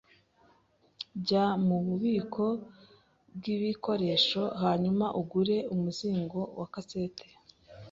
Jya mububiko bwibikoresho hanyuma ugure umuzingo wa kaseti.